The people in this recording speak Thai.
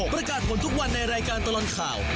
ประกาศผลทุกวันในรายการตลอดข่าว